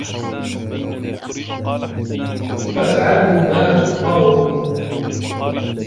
فَافْعَلُوا مَا تُؤْمَرُونَ